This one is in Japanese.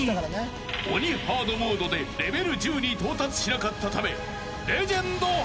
［鬼ハードモードでレベル１０に到達しなかったため］